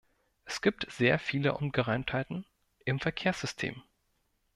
Es gibt sehr viele Ungereimtheiten im Verkehrssystem.